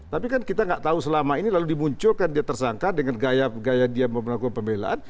tapi kan kita nggak tahu selama ini lalu dimunculkan dia tersangka dengan gaya dia melakukan pembelaan